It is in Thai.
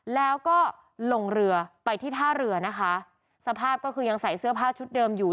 แล้วก็ลงเรือไปที่ท่าเรือนะคะสภาพก็คือยังใส่เสื้อผ้าชุดเดิมอยู่